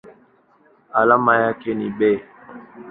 Alama yake ni Be.